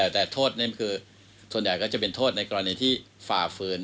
แต่โทษนี้คือส่วนใหญ่ก็จะเป็นโทษในกรณีที่ฝ่าฟื้น